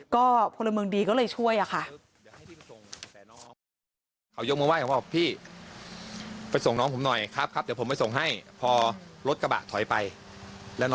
ก็พลเมืองดีก็เลยช่วยค่ะ